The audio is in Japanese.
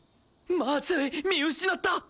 まずい見失った！